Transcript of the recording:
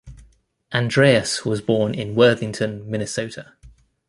Andreas was born in Worthington, Minnesota.